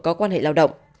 có quan hệ lao động